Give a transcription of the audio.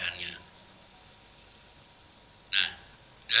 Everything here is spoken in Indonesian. yang ketiga dengan keinginan bukta dan pengusaha